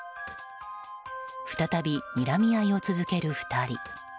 再びにらみ合いを続ける２人。